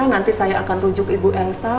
nanti saya akan rujuk ibu elsa